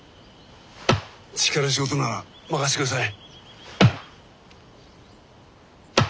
力仕事なら任してください。